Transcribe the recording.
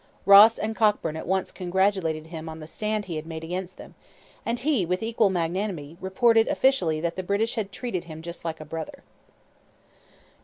Ross and Cockburn at once congratulated him on the stand he had made against them; and he, with equal magnanimity, reported officially that the British had treated him 'just like a brother.'